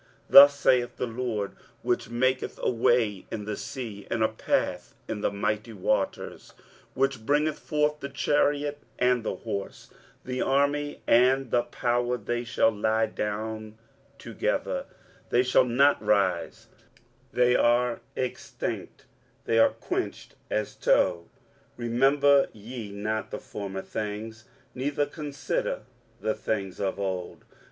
23:043:016 Thus saith the LORD, which maketh a way in the sea, and a path in the mighty waters; 23:043:017 Which bringeth forth the chariot and horse, the army and the power; they shall lie down together, they shall not rise: they are extinct, they are quenched as tow. 23:043:018 Remember ye not the former things, neither consider the things of old.